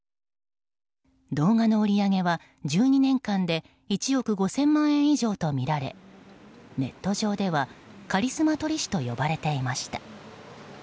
動画の売り上げは１２年間で１億５０００万円以上とみられネット上ではカリスマ撮り師と呼ばれていました。